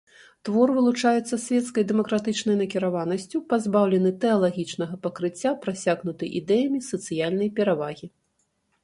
Твор вылучаецца свецкай, дэмакратычнай накіраванасцю, пазбаўлены тэалагічнага пакрыцця, прасякнуты ідэямі сацыяльнай перавагі.